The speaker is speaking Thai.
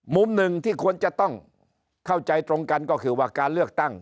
มุมหนึ่งที่ควรจะต้องเข้าใจตรงกันก็คือว่าการเลือกตั้ง